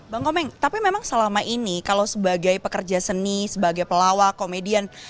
bang komeng tapi memang selama ini kalau sebagai pekerja seni sebagai pelawak komedian